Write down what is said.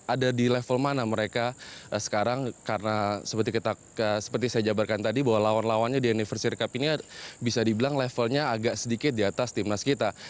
ada di level mana mereka sekarang karena seperti saya jabarkan tadi bahwa lawan lawannya di anniversary cup ini bisa dibilang levelnya agak sedikit di atas timnas kita